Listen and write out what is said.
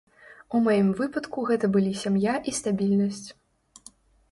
У маім выпадку гэта былі сям'я і стабільнасць.